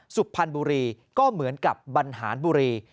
สุพรรณบุรีก็เหมือนกับบรรหารบุรี